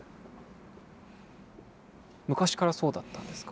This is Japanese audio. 昔からそうだったんですか？